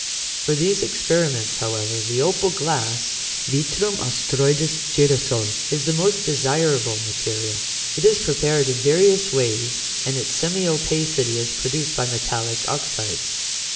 For these experiments, however, the opal glass (vitrum astroides, girasole) is the most desirable material. It is prepared in various ways, and its semi opacity is produced by metallic oxydes.